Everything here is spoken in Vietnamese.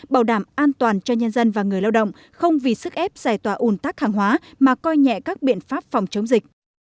bảo đảm an toàn cho nhân dân và người lao động không vì sức ép giải tỏa ủn tắc hàng hóa mà coi nhẹ các biện pháp phòng chống dịch